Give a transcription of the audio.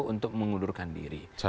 untuk mengundurkan diri